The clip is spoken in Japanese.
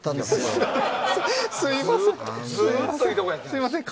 すみません。